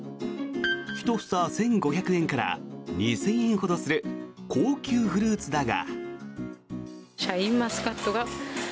ひと房１５００円から２０００円ほどする高級フルーツだが。